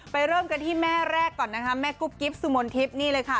เริ่มกันที่แม่แรกก่อนนะคะแม่กุ๊บกิ๊บสุมนทิพย์นี่เลยค่ะ